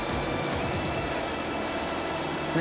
何？